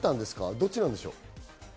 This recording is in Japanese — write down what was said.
どっちなんでしょう？